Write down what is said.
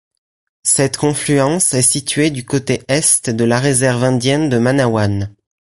Cette confluence est située du côté Est de la réserve indienne de Manawan.